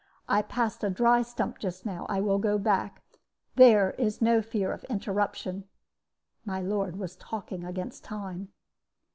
I passed a dry stump just now; I will go back: there is no fear of interruption.' My lord was talking against time.